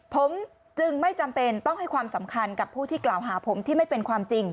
ผมจึงไม่จำเป็นต้องให้ความสำคัญกับผู้ที่กล่าวหาผมที่ไม่เป็นความจริง